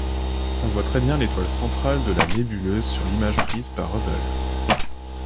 On voit très bien l'étoile centrale de la nébuleuse sur l'image prise par Hubble.